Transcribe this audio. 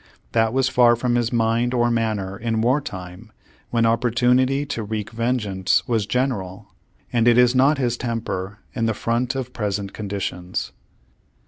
That w^as far from his mind or manner in war time, when opportunity to wreak vengeance was general, and it is not his temper, in the front of present conditions.